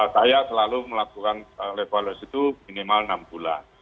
saya selalu melakukan evaluasi itu minimal enam bulan